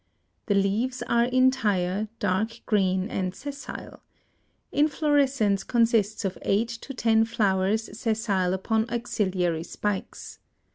The leaves are entire, dark green, and sessile. Inflorescence consists of eight to ten flowers sessile upon axillary spikes.